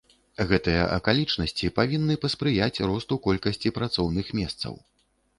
Гэтыя акалічнасці павінны паспрыяць росту колькасці працоўных месцаў.